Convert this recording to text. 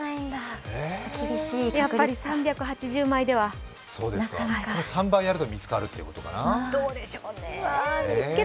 やっぱり３８０枚ではなかなかこの３倍やると見つかるということかな。